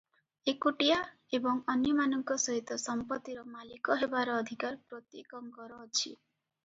ଏକୁଟିଆ ଏବଂ ଅନ୍ୟମାନଙ୍କ ସହିତ ସମ୍ପତିର ମାଲିକ ହେବାର ଅଧିକାର ପ୍ରତ୍ୟେକଙ୍କର ଅଛି ।